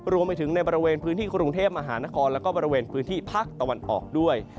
รวมไปถึงในบริเวณพื้นที่กรุงเทพมหานครแล้วก็บริเวณพื้นที่ภาคตะวันออกด้วย